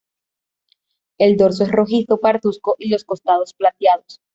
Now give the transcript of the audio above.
El dorso es rojizo pardusco y los costados, plateados.